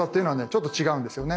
ちょっと違うんですよね。